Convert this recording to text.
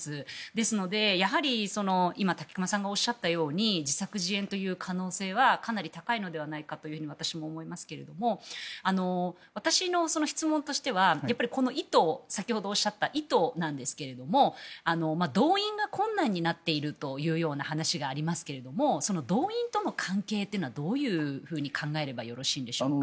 ですので、やはり今、武隈さんがおっしゃったように自作自演という可能性はかなり高いのではないかと私も思いますけれど私の質問としてはやっぱりこの意図先ほどおっしゃった意図なんですが動員が困難になっているという話がありますけれどもその動員との関係というのはどういうふうに考えればよろしいんでしょうか？